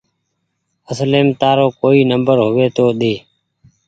اصليم تآرو ڪوئي نمبر هووي تو ۮي